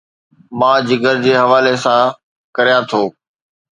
مان جگر جي حوالي ڪريان ٿو